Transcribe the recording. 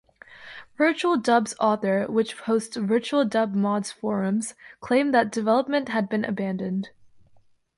VirtualDub's author, which hosts VirtualDubMod's forums, claimed that development had been abandoned.